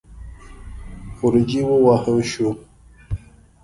خروجی ووهه شو.